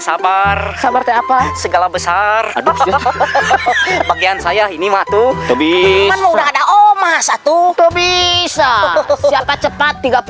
sabar sabar teh apa segala besar hahaha bagian saya ini waktu lebih ada oma satu bisa cepat tiga puluh